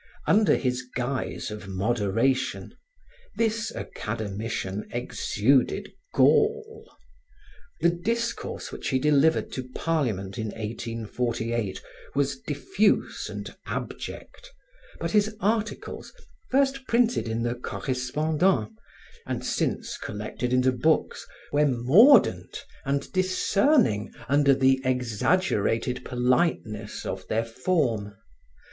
Under his guise of moderation, this academician exuded gall. The discourse which he delivered to Parliament in 1848 was diffuse and abject, but his articles, first printed in the Correspondant and since collected into books, were mordant and discerning under the exaggerated politeness of their form.